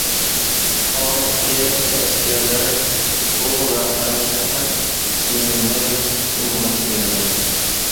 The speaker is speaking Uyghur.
قاغىلىقتىكى ئەسكەرلەر بۇ ۋەقەنى پەقەت چۈشىنەلمەي گۇمىغا چېكىنىدۇ.